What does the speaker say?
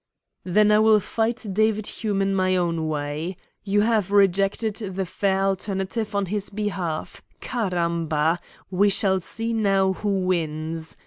"Then I will fight David Hume in my own way. You have rejected the fair alternative on his behalf. Caramba! We shall see now who wins.